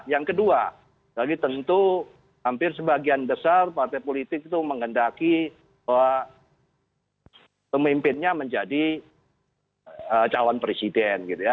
yang kedua lagi tentu hampir sebagian besar partai politik itu menghendaki bahwa pemimpinnya menjadi calon presiden gitu ya